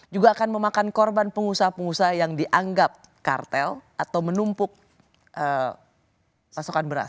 juga akan memakan korban pengusaha pengusaha yang dianggap kartel atau menumpuk pasokan beras